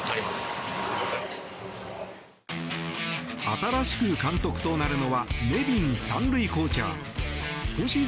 新しく監督となるのはネビン３塁コーチャー。